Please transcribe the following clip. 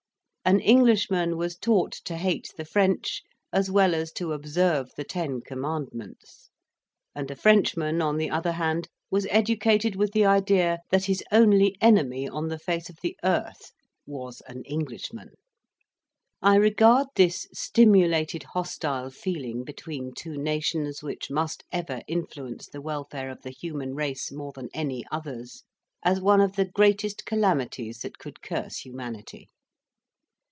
An Englishman was taught to hate the French as well as to observe the Ten Commandments; and a Frenchman, on the other hand, was educated with the idea that his only enemy on the face of the earth was an Englishman. I regard this stimulated hostile feeling between two nations which must ever influence the welfare of the human race more than any others, as one of the greatest calamities that could curse humanity.